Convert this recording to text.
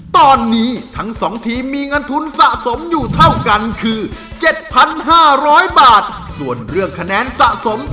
ตอนนี้ทั้งสองทีมมีเงินทุนสะสมอยู่เท่ากันคือ๗๕๐๐บาทส่วนเรื่องคะแนนสะสม